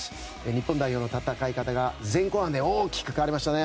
日本代表の戦い方が前後半で大きく変わりましたね。